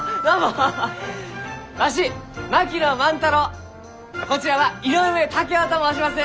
わし槙野万太郎こちらは井上竹雄と申します！